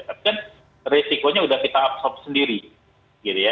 tapi kan resikonya sudah kita absorb sendiri gitu ya